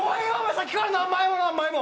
さっきから何枚も何枚も。